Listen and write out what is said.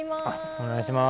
お願いします。